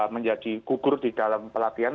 menjadi kubur di dalam pelatihan